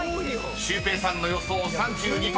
シュウペイさんの予想３２％］